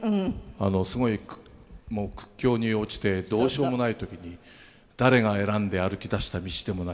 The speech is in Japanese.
すごい苦境に落ちてどうしようもない時に「誰が選んで歩きだした道でもない」